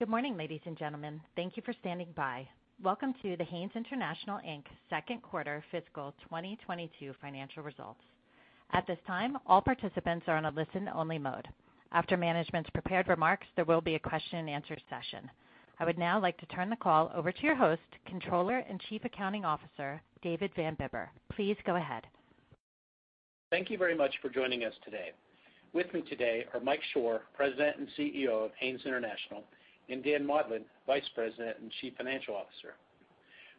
Good morning, ladies and gentlemen. Thank you for standing by. Welcome to the Haynes International Inc. Second Quarter Fiscal 2022 Financial Results. At this time, all participants are on a listen only mode. After management's prepared remarks, there will be a question and answer session. I would now like to turn the call over to your host, Controller and Chief Accounting Officer, David Van Bibber. Please go ahead. Thank you very much for joining us today. With me today are Mike Shor, President and CEO of Haynes International, and Dan Maudlin, Vice President and Chief Financial Officer.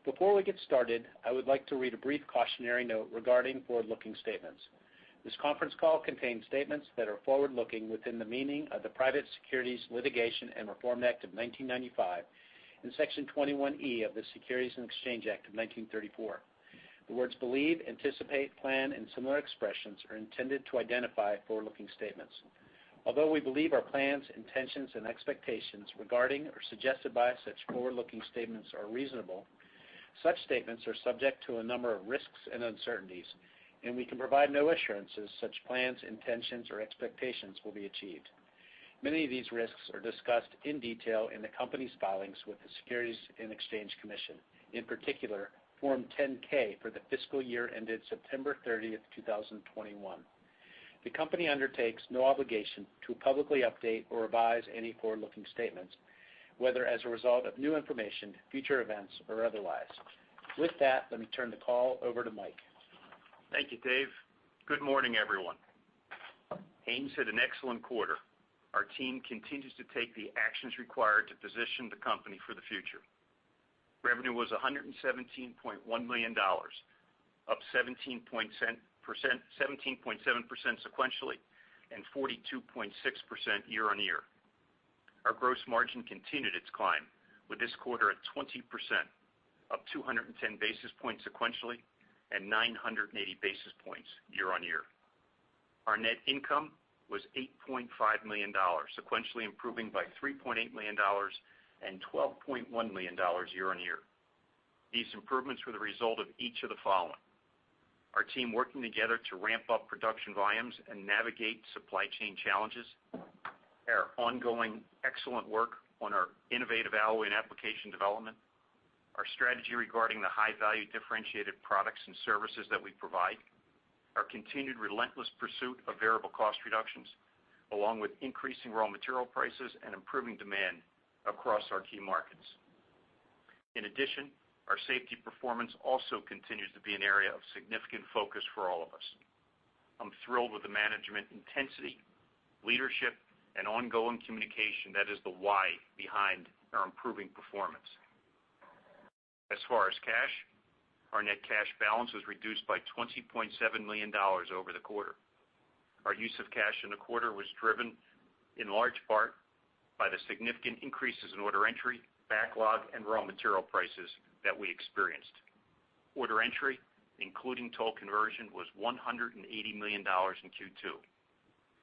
Before we get started, I would like to read a brief cautionary note regarding forward-looking statements. This conference call contains statements that are forward-looking within the meaning of the Private Securities Litigation Reform Act of 1995 and Section 21E of the Securities and Exchange Act of 1934. The words believe, anticipate, plan and similar expressions are intended to identify forward-looking statements. Although we believe our plans, intentions and expectations regarding or suggested by such forward-looking statements are reasonable, such statements are subject to a number of risks and uncertainties, and we can provide no assurances such plans, intentions or expectations will be achieved. Many of these risks are discussed in detail in the company's filings with the Securities and Exchange Commission, in particular Form 10-K for the fiscal year ended September 30th, 2021. The company undertakes no obligation to publicly update or revise any forward-looking statements, whether as a result of new information, future events or otherwise. With that, let me turn the call over to Mike. Thank you, Dave. Good morning, everyone. Haynes had an excellent quarter. Our team continues to take the actions required to position the company for the future. Revenue was $117.1 million, up 17.7% sequentially and 42.6% year-over-year. Our gross margin continued its climb with this quarter at 20%, up 210 basis points sequentially and 980 basis points year-over-year. Our net income was $8.5 million, sequentially improving by $3.8 million and $12.1 million year-over-year. These improvements were the result of each of the following. Our team working together to ramp up production volumes and navigate supply chain challenges. Our ongoing excellent work on our innovative alloy and application development. Our strategy regarding the high value differentiated products and services that we provide. Our continued relentless pursuit of variable cost reductions along with increasing raw material prices and improving demand across our key markets. In addition, our safety performance also continues to be an area of significant focus for all of us. I'm thrilled with the management intensity, leadership and ongoing communication that is the why behind our improving performance. As far as cash, our net cash balance was reduced by $20.7 million over the quarter. Our use of cash in the quarter was driven in large part by the significant increases in order entry, backlog and raw material prices that we experienced. Order entry, including toll conversion, was $180 million in Q2.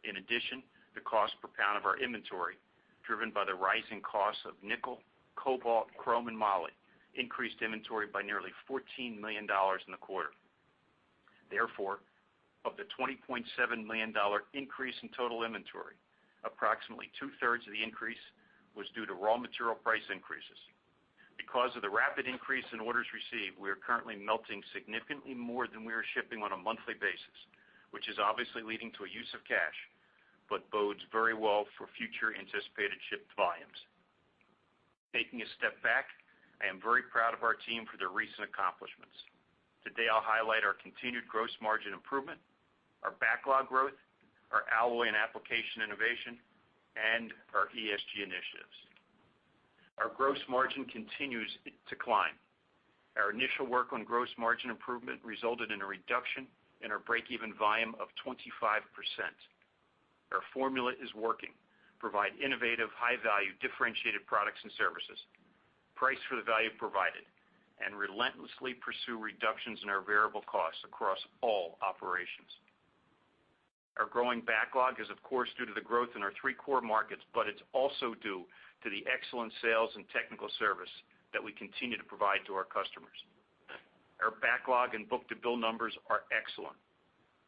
In addition, the cost per pound of our inventory, driven by the rising cost of nickel, cobalt, chrome and moly, increased inventory by nearly $14 million in the quarter. Therefore, of the $20.7 million increase in total inventory, approximately two-thirds of the increase was due to raw material price increases. Because of the rapid increase in orders received, we are currently melting significantly more than we are shipping on a monthly basis, which is obviously leading to a use of cash, but bodes very well for future anticipated shipped volumes. Taking a step back, I am very proud of our team for their recent accomplishments. Today, I'll highlight our continued gross margin improvement, our backlog growth, our alloy and application innovation, and our ESG initiatives. Our gross margin continues to climb. Our initial work on gross margin improvement resulted in a reduction in our break-even volume of 25%. Our formula is working. Provide innovative, high value, differentiated products and services. Price for the value provided. Relentlessly pursue reductions in our variable costs across all operations. Our growing backlog is of course due to the growth in our three core markets, but it's also due to the excellent sales and technical service that we continue to provide to our customers. Our backlog and book-to-bill numbers are excellent.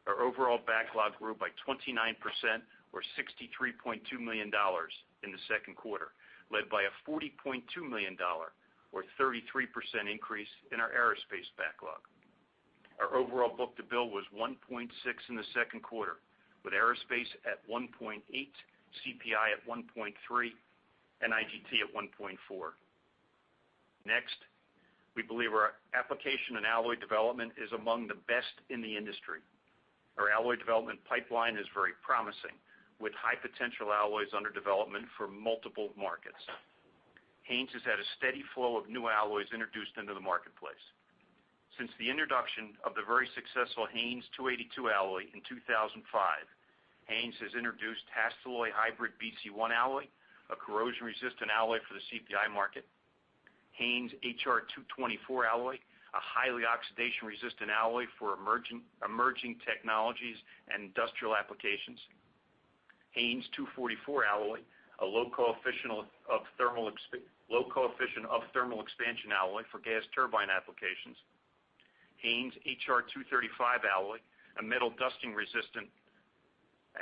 Our overall backlog grew by 29% or $63.2 million in the second quarter, led by a $40.2 million or 33% increase in our aerospace backlog. Our overall book-to-bill was 1.6 in the second quarter, with aerospace at 1.8, CPI at 1.3 and IGT at 1.4. Next, we believe our application and alloy development is among the best in the industry. Our alloy development pipeline is very promising, with high potential alloys under development for multiple markets. Haynes has had a steady flow of new alloys introduced into the marketplace. Since the introduction of the very successful Haynes 282 alloy in 2005, Haynes has introduced HASTELLOY HYBRID-BC1 alloy, a corrosion resistant alloy for the CPI market. Haynes HR-224 alloy, a highly oxidation resistant alloy for emerging technologies and industrial applications. Haynes 244 alloy, a low coefficient of thermal expansion alloy for gas turbine applications. Haynes HR-235 alloy, a metal dusting resistant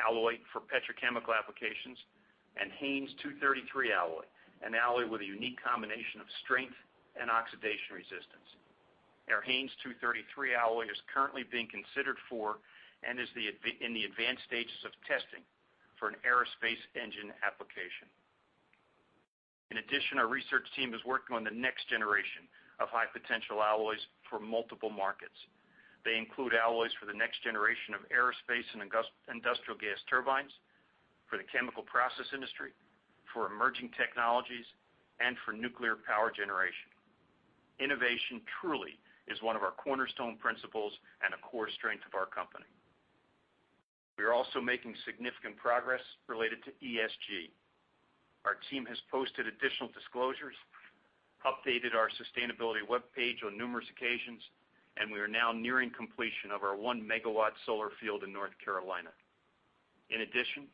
alloy for petrochemical applications, and Haynes 233 alloy, an alloy with a unique combination of strength and oxidation resistance. Our HAYNES 233 alloy is currently being considered for and is in the advanced stages of testing for an aerospace engine application. In addition, our research team is working on the next generation of high potential alloys for multiple markets. They include alloys for the next generation of aerospace and industrial gas turbines, for the chemical process industry, for emerging technologies, and for nuclear power generation. Innovation truly is one of our cornerstone principles and a core strength of our company. We are also making significant progress related to ESG. Our team has posted additional disclosures, updated our sustainability webpage on numerous occasions, and we are now nearing completion of our 1 MW solar field in North Carolina. In addition,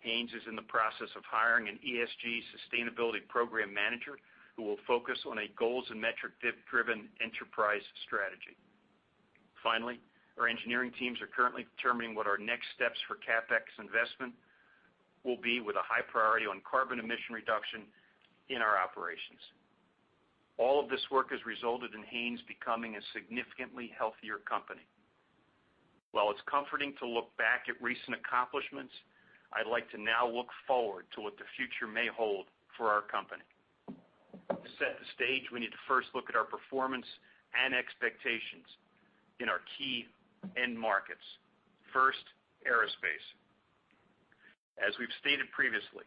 Haynes is in the process of hiring an ESG sustainability program manager who will focus on a goals- and metrics-data-driven enterprise strategy. Finally, our engineering teams are currently determining what our next steps for CapEx investment will be with a high priority on carbon emission reduction in our operations. All of this work has resulted in Haynes becoming a significantly healthier company. While it's comforting to look back at recent accomplishments, I'd like to now look forward to what the future may hold for our company. To set the stage, we need to first look at our performance and expectations in our key end markets. First, aerospace. As we've stated previously,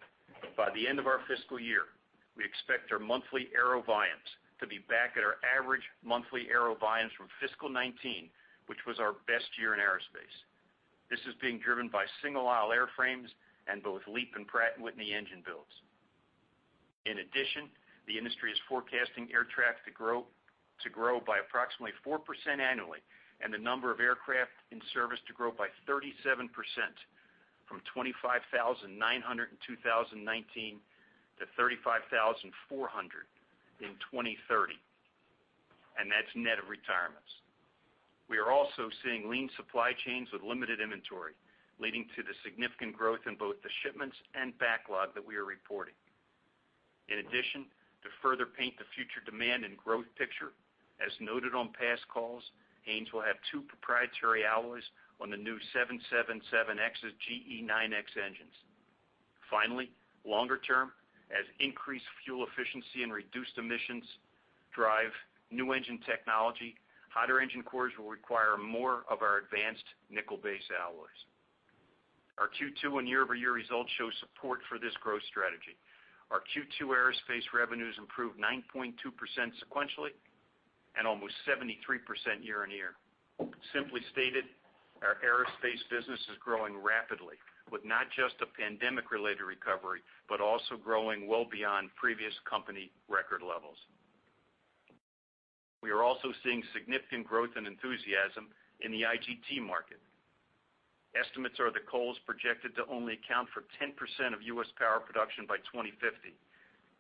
by the end of our fiscal year, we expect our monthly aero volumes to be back at our average monthly aero volumes from fiscal 2019, which was our best year in aerospace. This is being driven by single aisle airframes and both LEAP and Pratt & Whitney engine builds. In addition, the industry is forecasting air traffic to grow by approximately 4% annually and the number of aircraft in service to grow by 37% from 25,900 in 2019 to 35,400 in 2030. That's net of retirements. We are also seeing lean supply chains with limited inventory, leading to the significant growth in both the shipments and backlog that we are reporting. In addition, to further paint the future demand and growth picture, as noted on past calls, Haynes will have two proprietary alloys on the new 777X's GE9X engines. Finally, longer term, as increased fuel efficiency and reduced emissions drive new engine technology, hotter engine cores will require more of our advanced nickel-based alloys. Our Q2 and year-over-year results show support for this growth strategy. Our Q2 aerospace revenues improved 9.2% sequentially and almost 73% year-on-year. Simply stated, our aerospace business is growing rapidly with not just a pandemic-related recovery, but also growing well beyond previous company record levels. We are also seeing significant growth and enthusiasm in the IGT market. Estimates are coal is projected to only account for 10% of U.S. power production by 2050,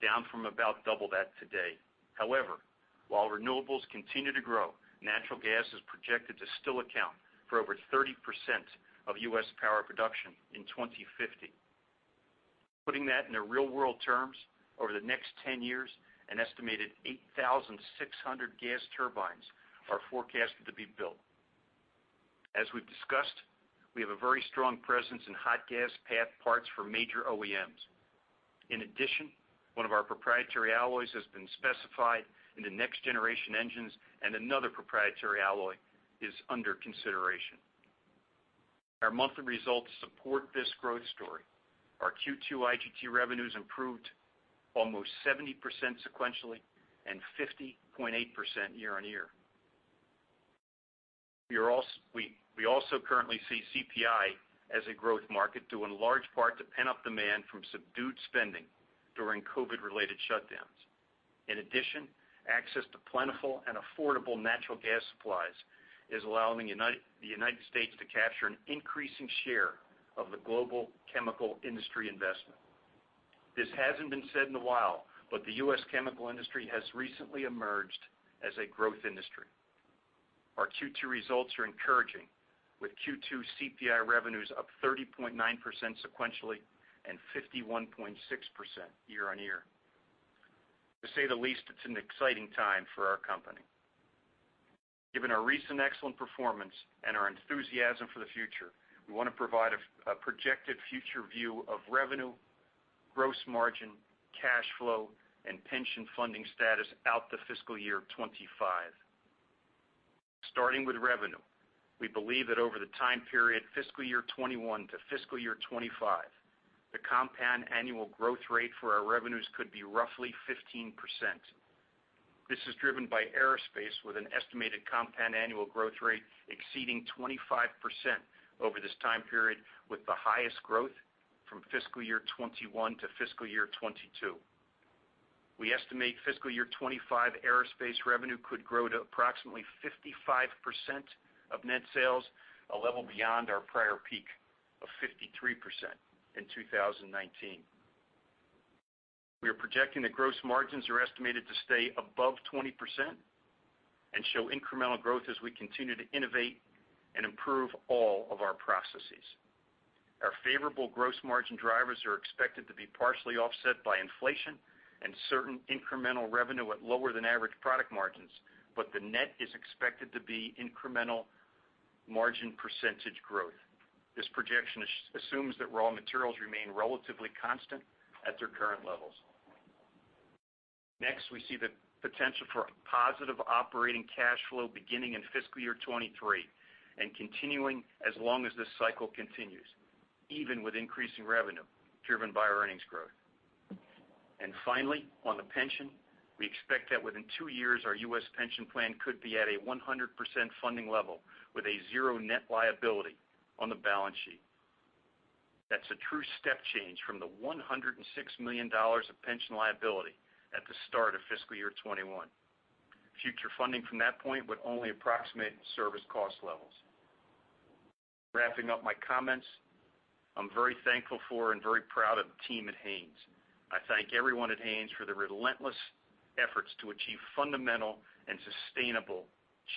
down from about double that today. However, while renewables continue to grow, natural gas is projected to still account for over 30% of U.S. power production in 2050. Putting that into real-world terms, over the next 10 years, an estimated 8,600 gas turbines are forecasted to be built. As we've discussed, we have a very strong presence in hot gas path parts for major OEMs. In addition, one of our proprietary alloys has been specified in the next generation engines, and another proprietary alloy is under consideration. Our monthly results support this growth story. Our Q2 IGT revenues improved almost 70% sequentially and 50.8% year-on-year. We also currently see CPI as a growth market due in large part to pent-up demand from subdued spending during COVID related shutdowns. In addition, access to plentiful and affordable natural gas supplies is allowing the United States to capture an increasing share of the global chemical industry investment. This hasn't been said in a while, but the U.S. chemical industry has recently emerged as a growth industry. Our Q2 results are encouraging with Q2 CPI revenues up 30.9% sequentially and 51.6% year-on-year. To say the least, it's an exciting time for our company. Given our recent excellent performance and our enthusiasm for the future, we want to provide a projected future view of revenue, gross margin, cash flow, and pension funding status out to fiscal year 2025. Starting with revenue, we believe that over the time period fiscal year 2021 to fiscal year 2025, the compound annual growth rate for our revenues could be roughly 15%. This is driven by aerospace with an estimated compound annual growth rate exceeding 25% over this time period, with the highest growth from fiscal year 2021 to fiscal year 2022. We estimate fiscal year 2025 aerospace revenue could grow to approximately 55% of net sales, a level beyond our prior peak of 53% in 2019. We are projecting that gross margins are estimated to stay above 20% and show incremental growth as we continue to innovate and improve all of our processes. Our favorable gross margin drivers are expected to be partially offset by inflation and certain incremental revenue at lower than average product margins, but the net is expected to be incremental margin percentage growth. This projection assumes that raw materials remain relatively constant at their current levels. Next, we see the potential for a positive operating cash flow beginning in fiscal year 2023 and continuing as long as this cycle continues, even with increasing revenue driven by our earnings growth. Finally, on the pension, we expect that within two years, our U.S. pension plan could be at a 100% funding level with a 0 net liability on the balance sheet. That's a true step change from the $106 million of pension liability at the start of fiscal year 2021. Future funding from that point would only approximate service cost levels. Wrapping up my comments, I'm very thankful for and very proud of the team at Haynes. I thank everyone at Haynes for their relentless efforts to achieve fundamental and sustainable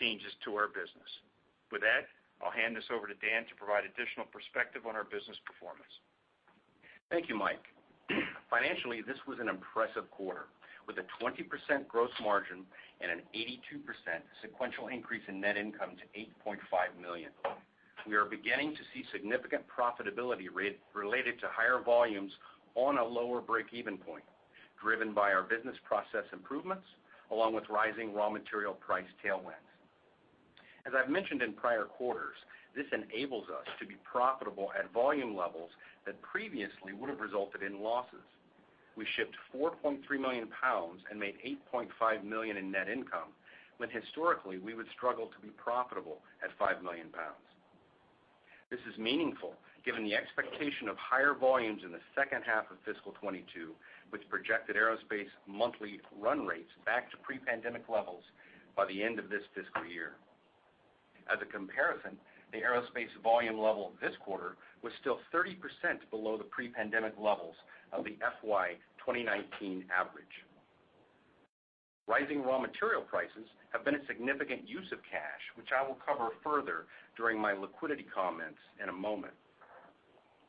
changes to our business. With that, I'll hand this over to Dan to provide additional perspective on our business performance. Thank you, Mike. Financially, this was an impressive quarter, with a 20% gross margin and an 82% sequential increase in net income to $8.5 million. We are beginning to see significant profitability related to higher volumes on a lower break-even point, driven by our business process improvements, along with rising raw material price tailwinds. As I've mentioned in prior quarters, this enables us to be profitable at volume levels that previously would have resulted in losses. We shipped 4.3 million pounds and made $8.5 million in net income, when historically we would struggle to be profitable at 5 million pounds. This is meaningful given the expectation of higher volumes in the second half of fiscal 2022, with projected aerospace monthly run rates back to pre-pandemic levels by the end of this fiscal year. As a comparison, the aerospace volume level this quarter was still 30% below the pre-pandemic levels of the FY 2019 average. Rising raw material prices have been a significant use of cash, which I will cover further during my liquidity comments in a moment.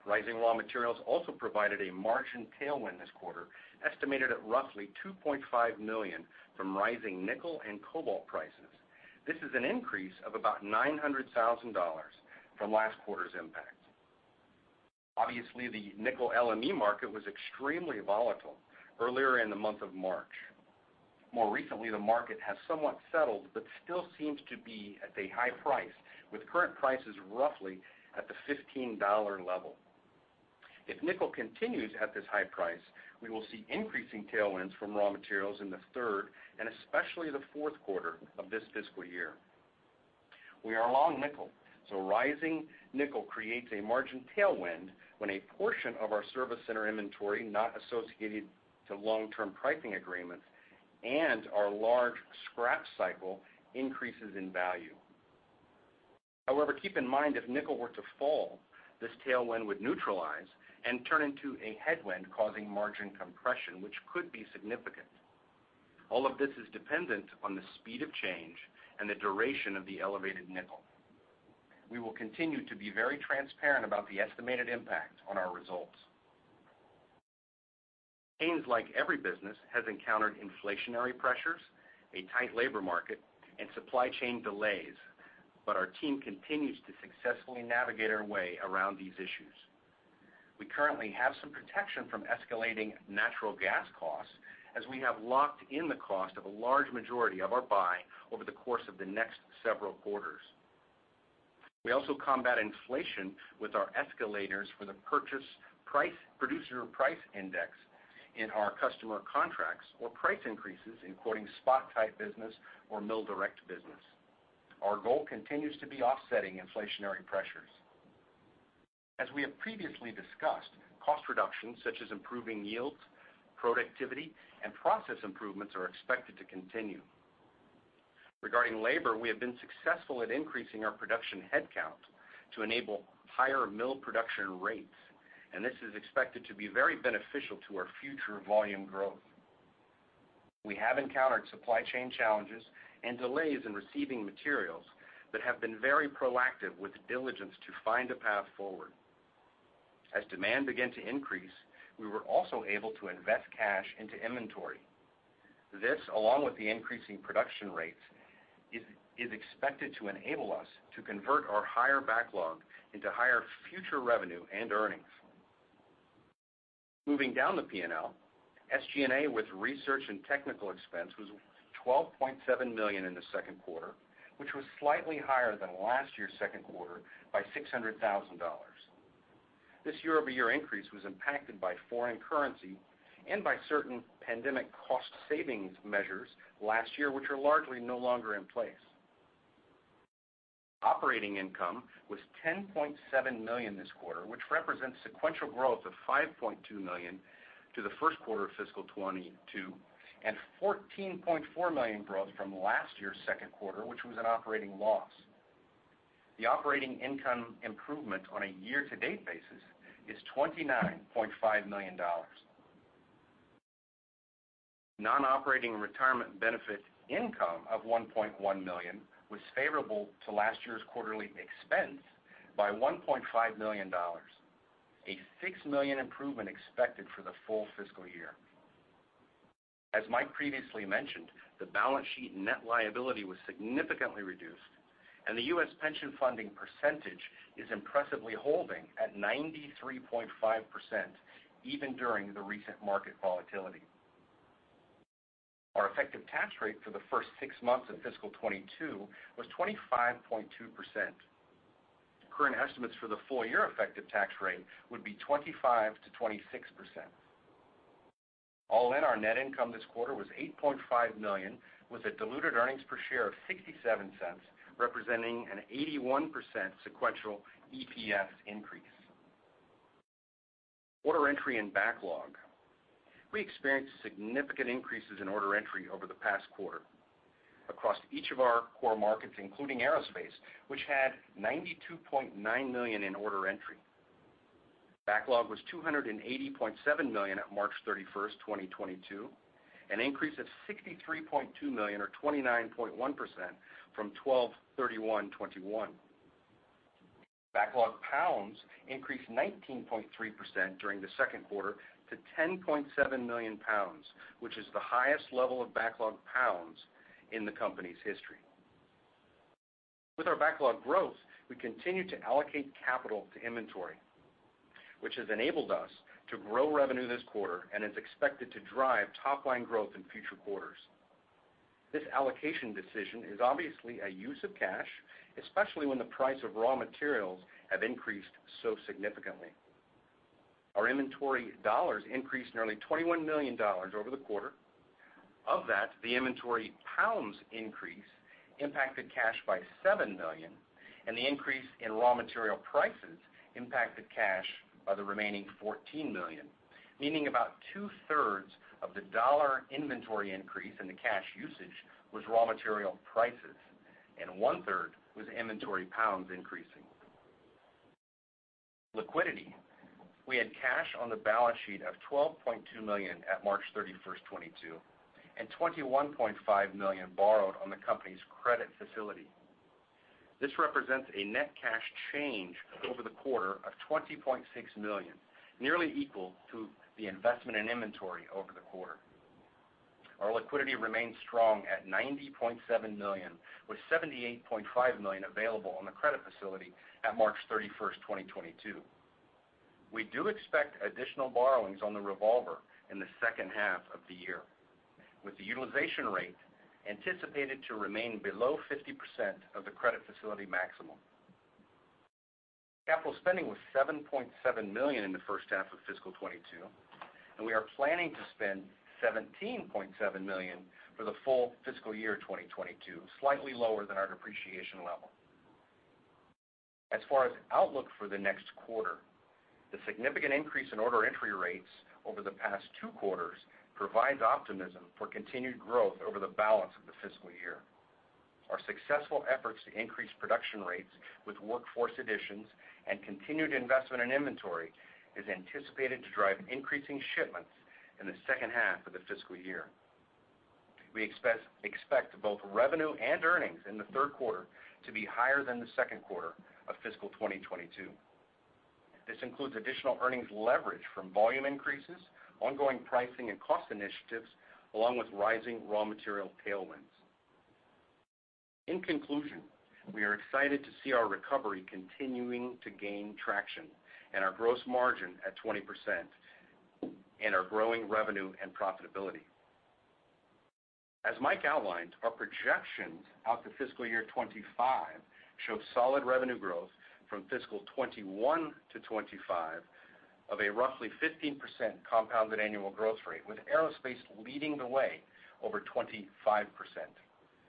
Rising raw materials also provided a margin tailwind this quarter, estimated at roughly $2.5 million from rising nickel and cobalt prices. This is an increase of about $900,000 from last quarter's impact. Obviously, the nickel LME market was extremely volatile earlier in the month of March. More recently, the market has somewhat settled, but still seems to be at a high price, with current prices roughly at the $15 level. If nickel continues at this high price, we will see increasing tailwinds from raw materials in the third and especially the fourth quarter of this fiscal year. We are long nickel, so rising nickel creates a margin tailwind when a portion of our service center inventory not associated to long-term pricing agreements and our large scrap cycle increases in value. However, keep in mind if nickel were to fall, this tailwind would neutralize and turn into a headwind causing margin compression, which could be significant. All of this is dependent on the speed of change and the duration of the elevated nickel. We will continue to be very transparent about the estimated impact on our results. Haynes, like every business, has encountered inflationary pressures, a tight labor market, and supply chain delays, but our team continues to successfully navigate our way around these issues. We currently have some protection from escalating natural gas costs, as we have locked in the cost of a large majority of our buy over the course of the next several quarters. We also combat inflation with our escalators for the purchase price producer price index in our customer contracts or price increases in quoting spot type business or mill direct business. Our goal continues to be offsetting inflationary pressures. As we have previously discussed, cost reductions such as improving yields, productivity, and process improvements are expected to continue. Regarding labor, we have been successful at increasing our production headcount to enable higher mill production rates, and this is expected to be very beneficial to our future volume growth. We have encountered supply chain challenges and delays in receiving materials, but have been very proactive with diligence to find a path forward. As demand began to increase, we were also able to invest cash into inventory. This, along with the increasing production rates, is expected to enable us to convert our higher backlog into higher future revenue and earnings. Moving down the P&L, SG&A with research and technical expense was $12.7 million in the second quarter, which was slightly higher than last year's second quarter by $600 thousand. This year-over-year increase was impacted by foreign currency and by certain pandemic cost savings measures last year, which are largely no longer in place. Operating income was $10.7 million this quarter, which represents sequential growth of $5.2 million to the first quarter of fiscal 2022 and $14.4 million growth from last year's second quarter, which was an operating loss. The operating income improvement on a year-to-date basis is $29.5 million. Non-operating retirement benefit income of $1.1 million was favorable to last year's quarterly expense by $1.5 million, a $6 million improvement expected for the full fiscal year. As Mike previously mentioned, the balance sheet net liability was significantly reduced, and the U.S. Pension funding percentage is impressively holding at 93.5% even during the recent market volatility. Our effective tax rate for the first six months of fiscal 2022 was 25.2%. Current estimates for the full year effective tax rate would be 25%-26%. All in, our net income this quarter was $8.5 million, with a diluted earnings per share of $0.67, representing an 81% sequential EPS increase. Order entry and backlog. We experienced significant increases in order entry over the past quarter across each of our core markets, including aerospace, which had $92.9 million in order entry. Backlog was $280.7 million at March 31st, 2022, an increase of $63.2 million or 29.1% from December 31, 2021. Backlog pounds increased 19.3% during the second quarter to 10.7 million pounds, which is the highest level of backlog pounds in the company's history. With our backlog growth, we continue to allocate capital to inventory, which has enabled us to grow revenue this quarter and is expected to drive top line growth in future quarters. This allocation decision is obviously a use of cash, especially when the price of raw materials have increased so significantly. Our inventory dollars increased nearly $21 million over the quarter. Of that, the inventory pounds increase impacted cash by $7 million, and the increase in raw material prices impacted cash by the remaining $14 million, meaning about two-thirds of the dollar inventory increase in the cash usage was raw material prices, and one-third was inventory pounds increasing. Liquidity. We had cash on the balance sheet of $12.2 million at March 31, 2022, and $21.5 million borrowed on the company's credit facility. This represents a net cash change over the quarter of $20.6 million, nearly equal to the investment in inventory over the quarter. Our liquidity remains strong at $90.7 million, with $78.5 million available on the credit facility at March 31st, 2022. We do expect additional borrowings on the revolver in the second half of the year, with the utilization rate anticipated to remain below 50% of the credit facility maximum. Capital spending was $7.7 million in the first half of fiscal 2022, and we are planning to spend $17.7 million for the full fiscal year 2022, slightly lower than our depreciation level. As far as outlook for the next quarter, the significant increase in order entry rates over the past two quarters provides optimism for continued growth over the balance of the fiscal year. Our successful efforts to increase production rates with workforce additions and continued investment in inventory is anticipated to drive increasing shipments in the second half of the fiscal year. We expect both revenue and earnings in the third quarter to be higher than the second quarter of fiscal 2022. This includes additional earnings leverage from volume increases, ongoing pricing and cost initiatives, along with rising raw material tailwinds. In conclusion, we are excited to see our recovery continuing to gain traction and our gross margin at 20% and our growing revenue and profitability. As Mike outlined, our projections out to fiscal year 2025 show solid revenue growth from fiscal 2021 to 2025 of a roughly 15% compounded annual growth rate, with aerospace leading the way over 25%.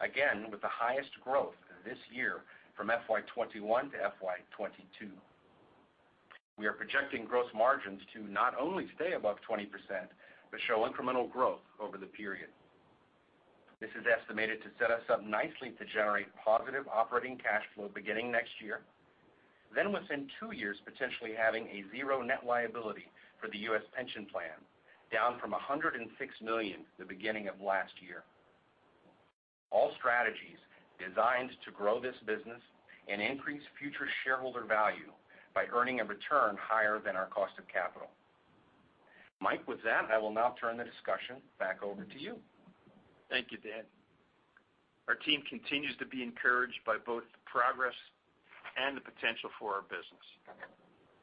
Again, with the highest growth this year from FY 2021 to FY 2022. We are projecting gross margins to not only stay above 20%, but show incremental growth over the period. This is estimated to set us up nicely to generate positive operating cash flow beginning next year, then within two years, potentially having a zero net liability for the U.S. pension plan, down from $106 million at the beginning of last year. All strategies designed to grow this business and increase future shareholder value by earning a return higher than our cost of capital. Mike, with that, I will now turn the discussion back over to you. Thank you, Dan. Our team continues to be encouraged by both the progress and the potential for our business.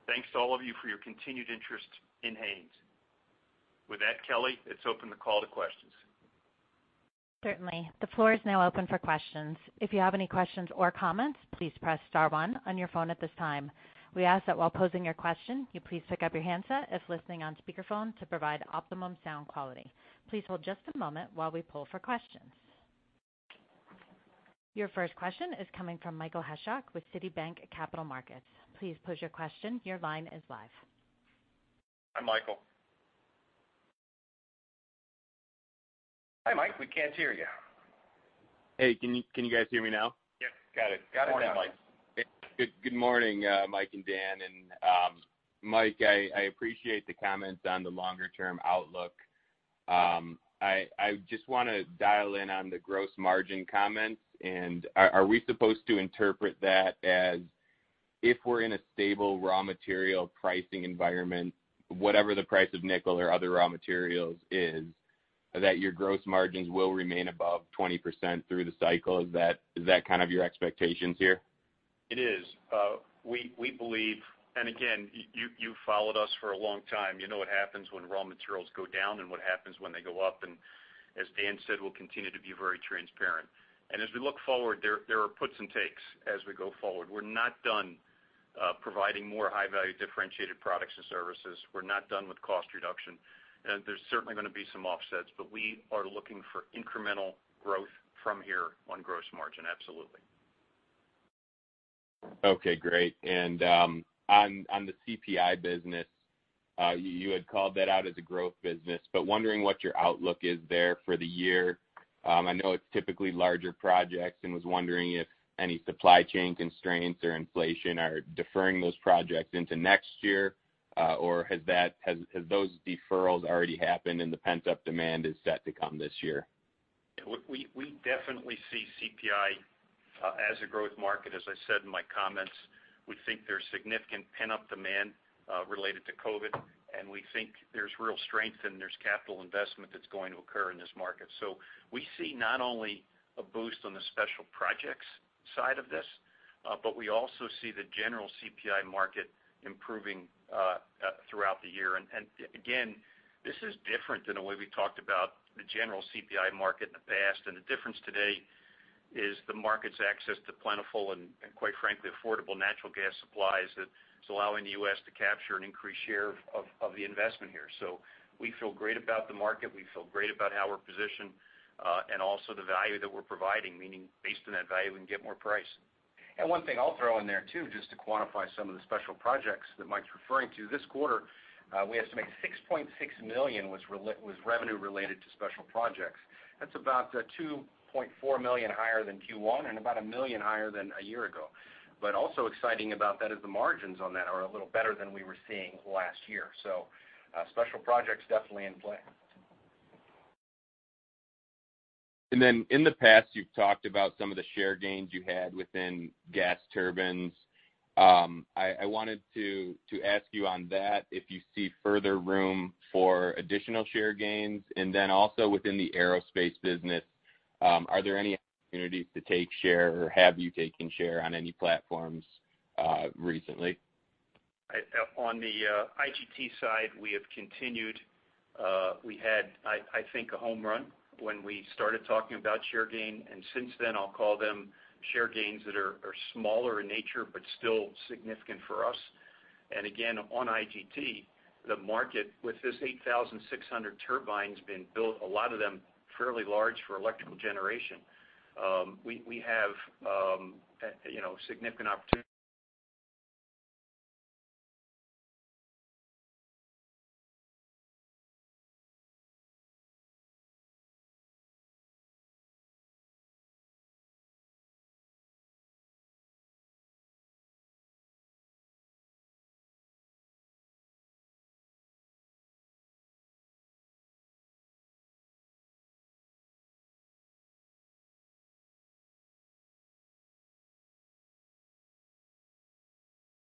Thanks to all of you for your continued interest in Haynes. With that, Kelly, let's open the call to questions. Certainly. The floor is now open for questions. If you have any questions or comments, please press star one on your phone at this time. We ask that while posing your question, you please pick up your handset if listening on speakerphone to provide optimum sound quality. Please hold just a moment while we pull for questions. Your first question is coming from Michael Ashak with Citi Bank Capital Market. Please pose your question. Your line is live. Hi, Michael. Hi, Mike, we can't hear you. Hey, can you guys hear me now? Yep, got it. Good morning, Mike. Good morning, Mike and Dan. Mike, I appreciate the comments on the longer-term outlook. I just wanna dial in on the gross margin comments. Are we supposed to interpret that as if we're in a stable raw material pricing environment, whatever the price of nickel or other raw materials is, that your gross margins will remain above 20% through the cycle? Is that kind of your expectations here? It is. We believe. Again, you've followed us for a long time. You know what happens when raw materials go down and what happens when they go up. As Dan said, we'll continue to be very transparent. As we look forward, there are puts and takes as we go forward. We're not done providing more high-value differentiated products and services. We're not done with cost reduction. There's certainly gonna be some offsets, but we are looking for incremental growth from here on gross margin, absolutely. Okay, great. On the CPI business, you had called that out as a growth business, but wondering what your outlook is there for the year. I know it's typically larger projects and was wondering if any supply chain constraints or inflation are deferring those projects into next year, or has those deferrals already happened and the pent-up demand is set to come this year? Yeah, we definitely see CPI as a growth market, as I said in my comments. We think there's significant pent-up demand related to COVID, and we think there's real strength and there's capital investment that's going to occur in this market. We see not only a boost on the special projects side of this, but we also see the general CPI market improving throughout the year. Again, this is different than the way we talked about the general CPI market in the past. The difference today is the market's access to plentiful and quite frankly, affordable natural gas supplies that's allowing the U.S. to capture an increased share of the investment here. We feel great about the market. We feel great about how we're positioned, and also the value that we're providing, meaning based on that value, we can get more price. One thing I'll throw in there too, just to quantify some of the special projects that Mike's referring to. This quarter, we estimate $6.6 million was revenue related to special projects. That's about $2.4 million higher than Q1 and about $1 million higher than a year ago. Also exciting about that is the margins on that are a little better than we were seeing last year. Special projects definitely in play. In the past, you've talked about some of the share gains you had within gas turbines. I wanted to ask you on that, if you see further room for additional share gains. Within the aerospace business, are there any opportunities to take share or have you taken share on any platforms recently? On the IGT side, we had, I think, a home run when we started talking about share gain. Since then, I'll call them share gains that are smaller in nature, but still significant for us. Again, on IGT, the market with this 8,600 turbines being built, a lot of them fairly large for electrical generation, we have, you know, significant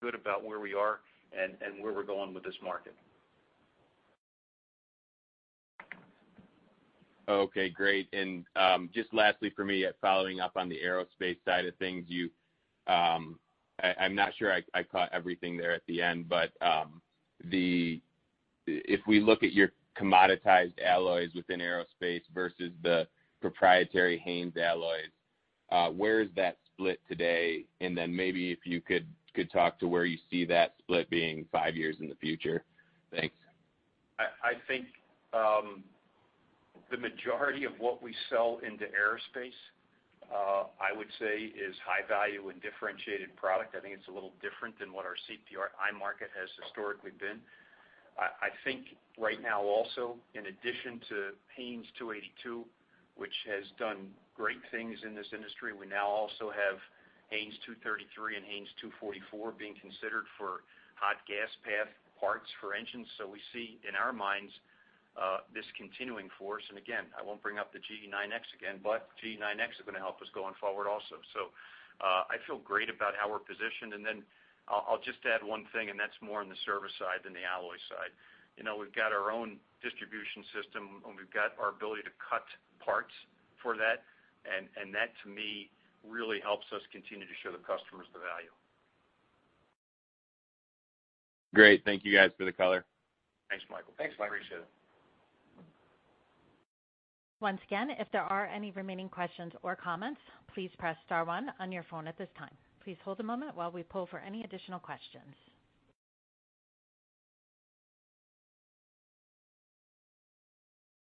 opportunity. Good about where we are and where we're going with this market. Okay, great. Just lastly for me, following up on the aerospace side of things, you, I'm not sure I caught everything there at the end, but if we look at your commoditized alloys within aerospace versus the proprietary Haynes alloys, where is that split today? Maybe if you could talk to where you see that split being five years in the future. Thanks. I think the majority of what we sell into aerospace, I would say, is high value and differentiated product. I think it's a little different than what our CPI market has historically been. I think right now also, in addition to Haynes 282, which has done great things in this industry, we now also have Haynes 233 and Haynes 244 being considered for hot gas path parts for engines. We see in our minds this continuing force. Again, I won't bring up the GE9X again, but GE9X is gonna help us going forward also. I feel great about how we're positioned. I'll just add one thing, and that's more on the service side than the alloy side. You know, we've got our own distribution system, and we've got our ability to cut parts for that. That to me really helps us continue to show the customers the value. Great. Thank you guys for the color. Thanks, Michael. Thanks, Mike. Appreciate it. Once again, if there are any remaining questions or comments, please press star one on your phone at this time. Please hold a moment while we poll for any additional questions.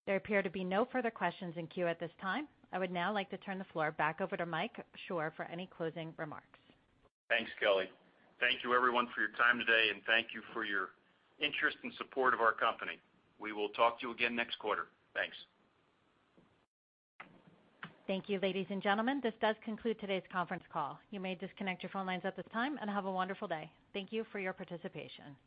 There appear to be no further questions in queue at this time. I would now like to turn the floor back over to Mike Shor for any closing remarks. Thanks, Kelly. Thank you everyone for your time today, and thank you for your interest and support of our company. We will talk to you again next quarter. Thanks. Thank you, ladies and gentlemen. This does conclude today's conference call. You may disconnect your phone lines at this time, and have a wonderful day. Thank you for your participation.